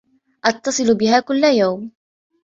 أتصل بها كل يوم.